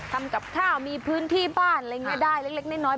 ทำกับข้าวมีพื้นที่บ้านอะไรอย่างนี้ได้เล็กน้อย